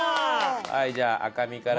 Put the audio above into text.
はいじゃあ赤身から。